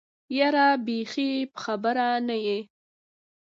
يره بېخي په خبره نه يې.